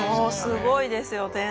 すごいですよね。